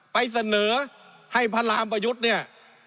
ไปเสนอให้พระรามประยุทธ์เนี่ย